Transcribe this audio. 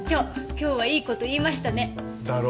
今日はいいこと言いましたねだろ